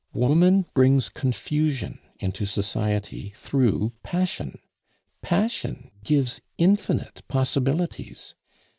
Woman brings confusion into Society through passion. Passion gives infinite possibilities.